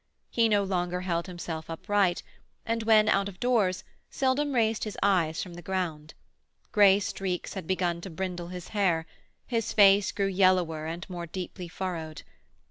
He no longer held himself upright, and when out of doors seldom raised his eyes from the ground; grey streaks had begun to brindle his hair; his face grew yellower and more deeply furrowed.